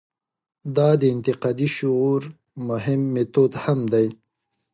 دا د انتقادي شعور مهم میتود هم دی.